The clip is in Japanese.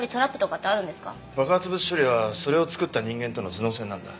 爆発物処理はそれを作った人間との頭脳戦なんだ。